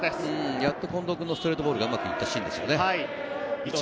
やっと近藤君のストレートボールがうまくいったシーンですね。